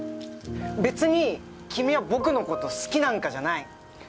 別に君は僕のこと好きなんかじゃない。